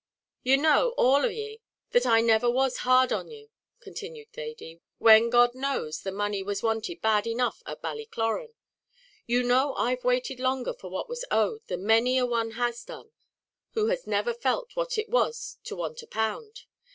"You know, all of ye, that I never was hard on you," continued Thady, "when, God knows, the money was wanted bad enough at Ballycloran. You know I've waited longer for what was owed than many a one has done who has never felt what it was to want a pound.